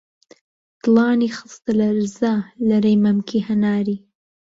دڵانی خستە لەرزە، لەرەی مەمکی هەناری